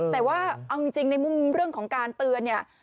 แต่ว่าเอาจริงในมุมเรื่องของการเตือนเนี่ย